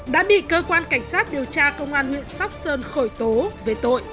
đã bị cơ quan cảnh sát điều tra công an huyện sóc sơn khởi tố về tội